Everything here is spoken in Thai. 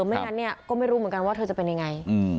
ไม่งั้นเนี่ยก็ไม่รู้เหมือนกันว่าเธอจะเป็นยังไง